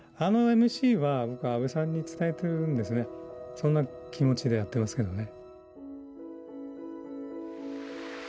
そんな気持ちでやってますけどね。